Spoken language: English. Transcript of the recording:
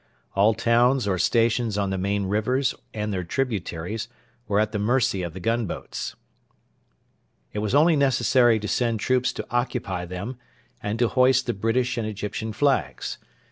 All towns or stations on the main rivers and their tributaries were at the mercy of the gunboats. It was only necessary to send troops to occupy them and to hoist the British and Egyptian flags.